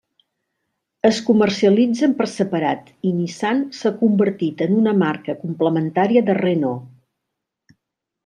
Es comercialitzen per separat i Nissan s'ha convertit en una marca complementària de Renault.